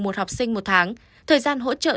một học sinh một tháng thời gian hỗ trợ